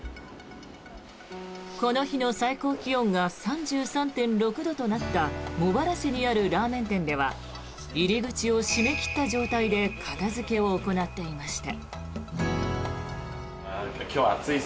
この日の最高気温が３３．６度となった茂原市にあるラーメン店では入り口を閉め切った状態で片付けを行っていました。